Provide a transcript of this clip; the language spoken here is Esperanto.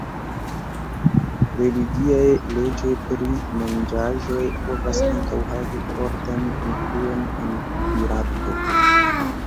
Religiaj leĝoj pri manĝaĵoj povas ankaŭ havi fortan influon en kuirarto.